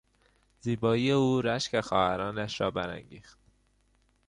زیبایی او رشک خواهرانش را برانگیخت.